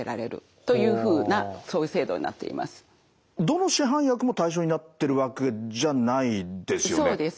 どの市販薬も対象になってるわけじゃないですよね？